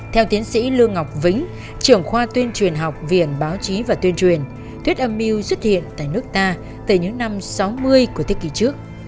theo tiến sĩ lương ngọc vĩnh trưởng khoa tuyên truyền học viện báo chí và tuyên truyền thuyết âm mưu xuất hiện tại nước ta từ những năm sáu mươi của thế kỷ trước